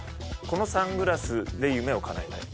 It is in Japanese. このサングラスで夢をかなえたい。